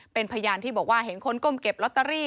เป็นพยานที่บอกว่าเห็นคนก้มเก็บลอตเตอรี่